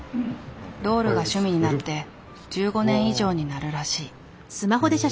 ドールが趣味になって１５年以上になるらしい。